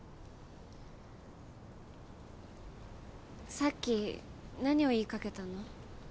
さっき何を言いかけたの？